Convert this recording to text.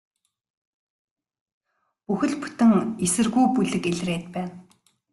Бүхэл бүтэн эсэргүү бүлэг илрээд байна.